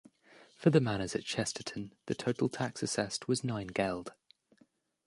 For the manors at Chesterton the total tax assessed was nine geld.